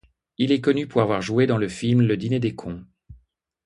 Il est connu pour avoir joué dans le film Le Dîner de cons.